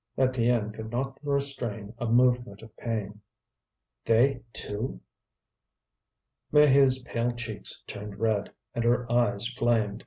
Étienne could not restrain a movement of pain. "They, too!" Maheude's pale cheeks turned red, and her eyes flamed.